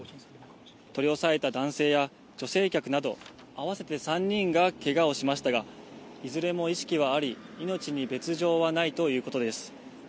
取り押さえた男性や女性客など、合わせて３人がけがをしましたが、いずれも意識はあり、命に別状はないということです。